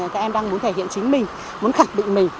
các em đang muốn thể hiện chính mình muốn khẳng định mình